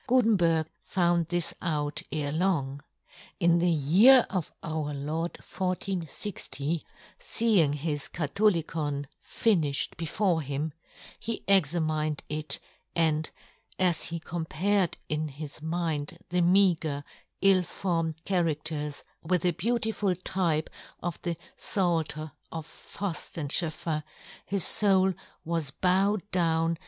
Gutenberg found this out ere long. In the year of our Lord 1460, fee ing his Katholicon, finifhed, before him, he examined it, and as he com pared in his mind the meagre, ill formed charadters with the beauti ful type of the Ffalter of Fuft and Schoeffer, his foul was bowed down yohn Gutenberg.